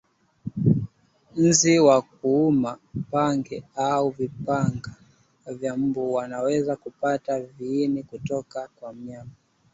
Nzi wa kuuma pange au vipanga na mbu wanaweza kupata viini kutoka kwa mnyama